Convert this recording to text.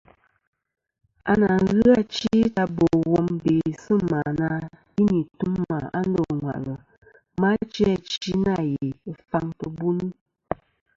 À nà ghɨ achi ta bò wom bê sɨ̂ mà na yi n-nî tum mà a ndô ŋwàʼlɨ, ma chi achi nâ ghè faŋ tɨ̀ buni.